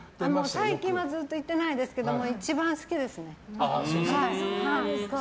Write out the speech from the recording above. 最近はずっと行っていないですけど一番好きですね。